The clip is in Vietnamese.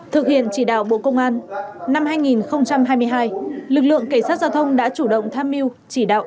thực hiện chỉ đạo bộ công an năm hai nghìn hai mươi hai lực lượng cảnh sát giao thông đã chủ động tham mưu chỉ đạo